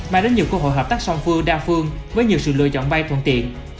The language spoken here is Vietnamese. mang đến nhiều cơ hội hợp tác song phương đa phương với nhiều sự lựa chọn bay thuận tiện